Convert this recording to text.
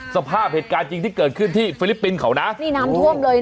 สภาพเหตุการณ์จริงที่เกิดขึ้นที่ฟิลิปปินส์เขานะ